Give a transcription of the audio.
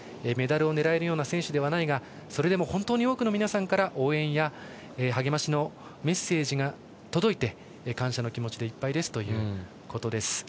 メダルを狙えるような選手ではないがそれでも本当に多くの皆さんから応援や励ましのメッセージが届いて感謝の気持ちでいっぱいだということです。